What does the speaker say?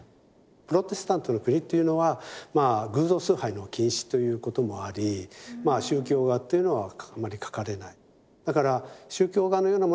プロテスタントの国っていうのはまあ偶像崇拝の禁止ということもあり宗教画っていうのはあんまり描かれない。